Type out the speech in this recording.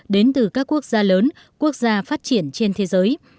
đến từ các quốc gia lớn quốc gia phát triển trên thế giới